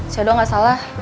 ceedoh gak salah